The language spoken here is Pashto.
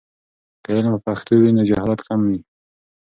که علم په پښتو وي، نو جهالت کم وي.